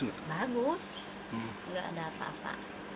tidak ada apa apa